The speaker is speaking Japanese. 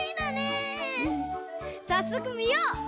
さっそくみよう！